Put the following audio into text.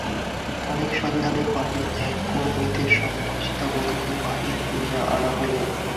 অনেক সন্ধানে বাড়ির এক কোণ হইতে সংকুচিতা বধূকে বাহির করিয়া আনা হইল।